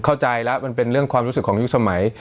เข้าใจแล้วมันเป็นเรื่องความรู้สึกของยุคสมัย